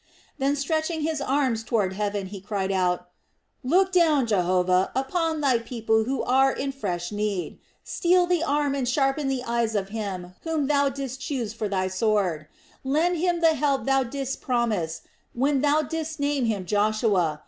Then, stretching his arms toward heaven, he cried: "Look down, Jehovah, upon Thy people who are in fresh need. Steel the arm and sharpen the eyes of him whom Thou didst choose for Thy sword! Lend him the help Thou didst promise, when Thou didst name him Joshua!